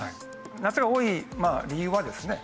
夏が多い理由はですね